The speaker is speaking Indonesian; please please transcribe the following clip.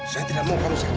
saya tidak mau kamu sakit